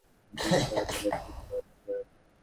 দুই ঘণ্টার মধ্যে না ফিরলে, দরজা খুলে রাখব।